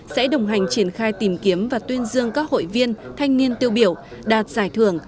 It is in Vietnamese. sẽ đồng hành triển khai tìm kiếm và tuyên dương các hội viên thanh niên tiêu biểu đạt giải thưởng